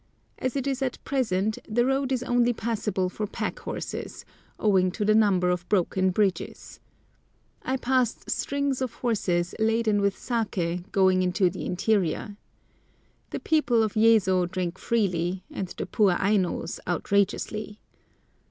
As it is at present the road is only passable for pack horses, owing to the number of broken bridges. I passed strings of horses laden with saké going into the interior. The people of Yezo drink freely, and the poor Ainos outrageously.